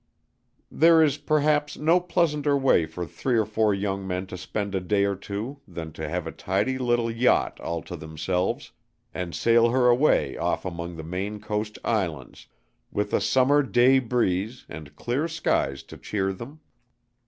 There is, perhaps, no pleasanter way for three or four young men to spend a day or two than to have a tidy little yacht all to themselves, and sail her away off among the Maine coast islands, with a summer day breeze and clear skies to cheer them.